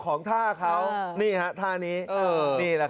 ก็จะมีใครทำได้เหมือน